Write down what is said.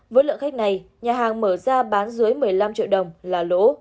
với lượng khách này nhà hàng mở ra bán dưới một mươi năm triệu đồng là lỗ